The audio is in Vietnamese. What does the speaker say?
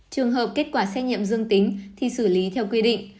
trường hợp kết quả xét nghiệm dương tính thì xử lý theo quy định